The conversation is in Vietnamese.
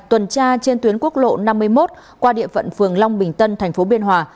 tuần tra trên tuyến quốc lộ năm mươi một qua địa phận phường long bình tân tp biên hòa